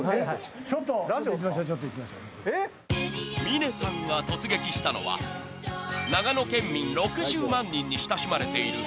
［峰さんが突撃したのは長野県民６０万人に親しまれている］